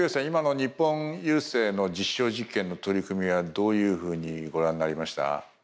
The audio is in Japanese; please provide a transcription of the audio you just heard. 今の日本郵政の実証実験の取り組みはどういうふうにご覧になりました？